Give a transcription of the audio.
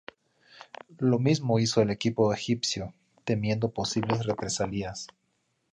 Lo mismo hizo el equipo egipcio, temiendo posibles represalias.